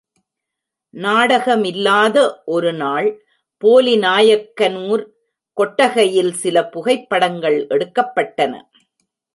நாடகமில்லாத ஒருநாள், போலிநாயக்கனூர் கொட்டகையில் சில புகைப் படங்கள் எடுக்கப்பட்டன.